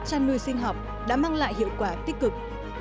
chăn nuôi sinh học đã mang lại hiệu quả tích cực